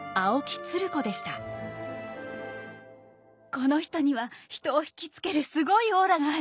この人には人を引き付けるすごいオーラがある。